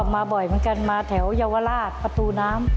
มาบ่อยเหมือนกันมาแถวเยาวราชประตูน้ำ